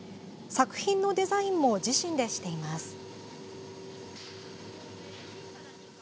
作品のデザインも自身でしています。